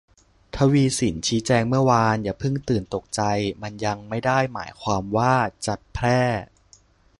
ทวีศิลป์ชี้แจงเมื่อวาน อย่าเพิ่งตื่นตกใจ มันยังไม่ได้หมายความว่าจะแพร่